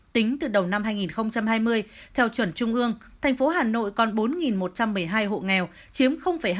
tính từ đầu năm hai nghìn hai mươi theo chuẩn trung ương thành phố hà nội còn bốn một trăm một mươi hai hộ nghèo chiếm hai